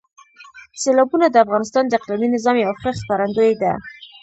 سیلابونه د افغانستان د اقلیمي نظام یو ښه ښکارندوی ده.